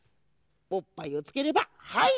おっぱいをつければはい！